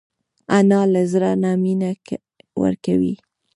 انا له زړه نه مینه ورکوي